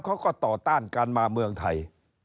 เขาก็ต่อต้านการมาเมืองไทย